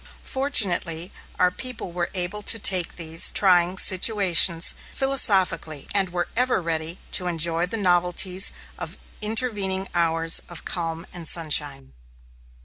Fortunately our people were able to take these trying situations philosophically, and were ever ready to enjoy the novelties of intervening hours of calm and sunshine.